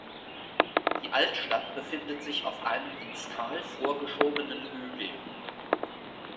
Die Altstadt befindet sich auf einem ins Tal vorgeschobenen Hügel.